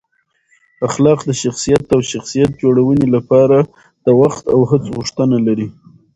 اخلاق د شخصیت او شخصیت جوړونې لپاره د وخت او هڅو غوښتنه لري.